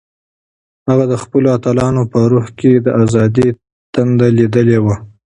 هغه د خپلو اتلانو په روح کې د ازادۍ تنده لیدلې وه.